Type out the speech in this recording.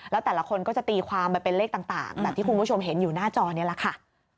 แล้วแต่ละคนก็จะตีความไปเป็นเลขต่างแบบที่คุณผู้ชมเห็นอยู่หน้าจอนี้แหละค่ะ